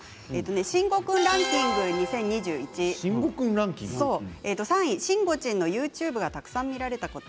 慎吾君ランキング２０２１３位しんごちんのＹｏｕＴｕｂｅがたくさん見られたこと。